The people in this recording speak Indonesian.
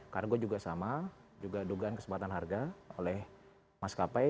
kargo juga sama juga dugaan kesepakatan harga oleh mas kapai